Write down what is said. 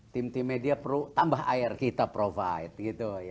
tim tim media perlu tambah air kita provide gitu